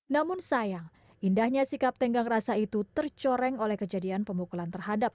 namun sayang indahnya sikap tenggang rasa itu tercoreng oleh kejadian pemukulan terhadap